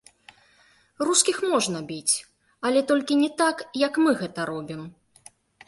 Рускіх можна біць, але толькі не так, як мы гэта робім.